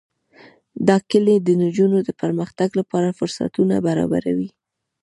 دا کلي د نجونو د پرمختګ لپاره فرصتونه برابروي.